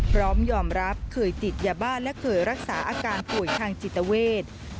พร้อมยอมรับเคยติดยาบ้าและเคยรักษาอาการป่วยทางจิตเวท